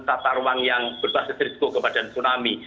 tata ruang yang berbasis risiko ke badan tsunami